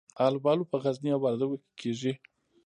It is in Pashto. الوبالو په غزني او وردګو کې کیږي.